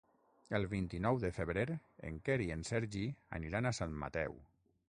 El vint-i-nou de febrer en Quer i en Sergi aniran a Sant Mateu.